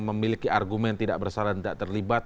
memiliki argumen tidak bersalah dan tidak terlibat